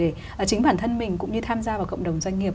để chính bản thân mình cũng như tham gia vào cộng đồng doanh nghiệp